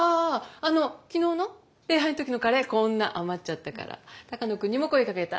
あの昨日の礼拝の時のカレーこんな余っちゃったから鷹野君にも声かけた。